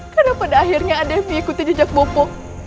karena pada akhirnya ada yang mengikuti jejak bopo